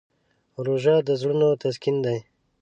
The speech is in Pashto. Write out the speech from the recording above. روژه د زړونو تسکین دی.